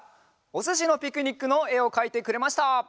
「おすしのピクニック」のえをかいてくれました！